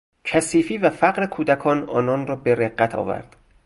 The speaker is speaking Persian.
کثیفی و فقر کودکان، آنان را به رقت آورد.